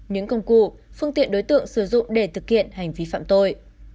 những công cụ phương tiện đối tượng sử dụng để thực hiện hành vi phạm tội